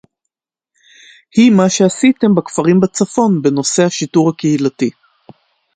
היא מה שעשיתם בכפרים בצפון בנושא השיטור הקהילתי